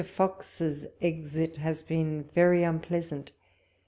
Fox's exit has been very unpleasant.